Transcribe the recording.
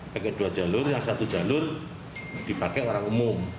pake dua jalur yang satu jalur dipake orang umum